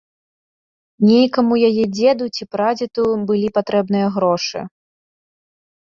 Нейкаму яе дзеду ці прадзеду былі патрэбныя грошы.